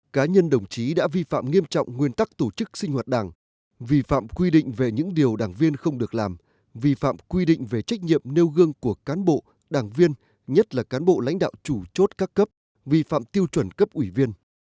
cá nhân đồng chí đã vi phạm nghiêm trọng nguyên tắc tổ chức sinh hoạt đảng vi phạm quy định về những điều đảng viên không được làm vi phạm quy định về trách nhiệm nêu gương của cán bộ đảng viên nhất là cán bộ lãnh đạo chủ chốt các cấp vi phạm tiêu chuẩn cấp ủy viên